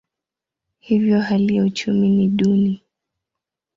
Hivyo hali ya uchumi ni duni.